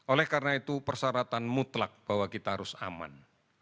oleh karena itu persyaratan mutlak bahwa kita harus aman